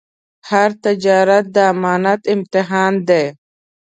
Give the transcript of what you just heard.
هر تجارت د امانت امتحان دی.